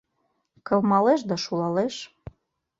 Кылмалеш да шулалеш.